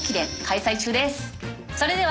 それでは。